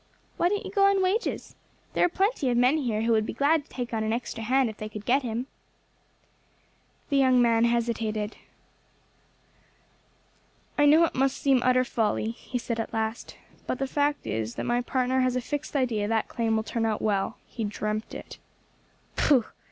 "Why didn't you go on wages? There are plenty of men here who would be glad to take on an extra hand if they could get him." The young man hesitated. "I know it must seem utter folly," he said at last, "but the fact is my partner has a fixed idea that claim will turn out well; he dreamt it." "Pooh!"